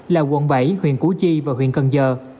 là quận bảy huyện củ chi và huyện cần giờ